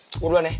suku duluan ya